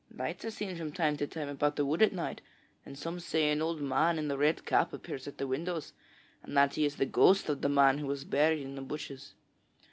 Lights are seen from time to time about the wood at night, and some say an old man in a red cap appears at the windows and that he is the ghost of the man who was buried in the bushes.